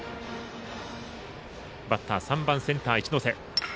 バッター３番センター市ノ瀬。